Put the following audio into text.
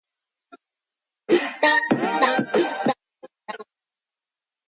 He graduated from Stetson University in DeLand, Florida, and New Orleans Baptist Theological Seminary.